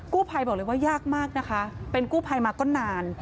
ภัยบอกเลยว่ายากมากนะคะเป็นกู้ภัยมาก็นาน